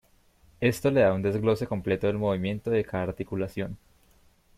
Esto le da un desglose completo del movimiento de cada articulación.